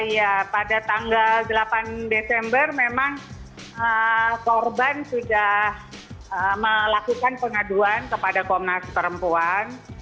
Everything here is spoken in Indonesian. ya pada tanggal delapan desember memang korban sudah melakukan pengaduan kepada komnas perempuan